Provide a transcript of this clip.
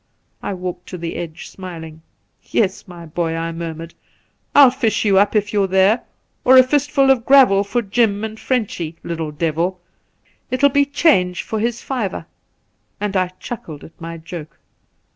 I walked to the edge smiling. ' Yes, my boy,' I murmured, ' I'll fish you up if you're there, or a fistfuU of gravel for Jim and Frenchy — little devil ! It'll be change for his fiver ;' and I chuckled at my joke.